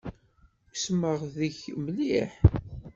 Usmeɣ deg-k mliḥ